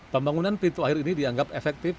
pembangunan pintu air ini dianggap efektif